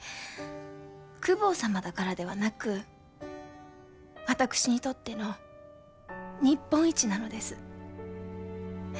公方様だからではなく私にとっての日本一なのです。